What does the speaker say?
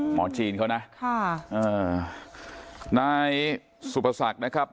จีนเขานะค่ะอ่านายสุปศักดิ์นะครับ